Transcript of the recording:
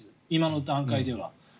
今の段階では。